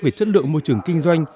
về chất lượng môi trường kinh doanh